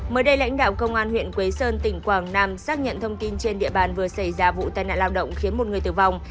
mới đây lãnh đạo công an huyện quế sơn tỉnh quảng nam xác nhận thông tin trên địa bàn vừa xảy ra vụ tai nạn lao động khiến một người tử vong